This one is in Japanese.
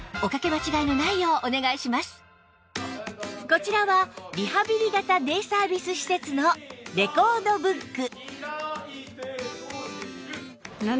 こちらはリハビリ型デイサービス施設のレコードブック